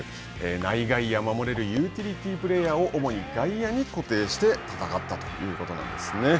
内外野を守れるユーティリティープレーヤーを主に外野に固定して戦ったということなんですね。